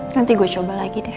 nanti gue coba lagi deh